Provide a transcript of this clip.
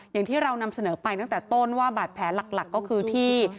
อย่างที่เรานำเสนอไปตั้งแต่ต้นว่าบาดแผลหลักก็คือที่